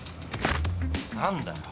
何だよ？